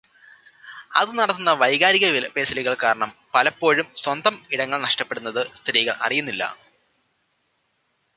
അത് നടത്തുന്ന വൈകാരികവിലപേശലുകൾ കാരണം പലപ്പോഴും സ്വന്തം ഇടങ്ങൾ നഷ്ടപ്പെടുന്നത് സ്ത്രീകൾ അറിയുന്നില്ല.